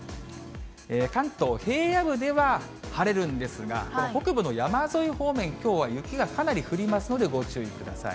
関東、平野部では晴れるんですが、この北部の山沿い方面、きょうは雪がかなり降りますので、ご注意ください。